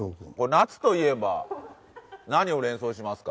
夏といえば何を連想しますか？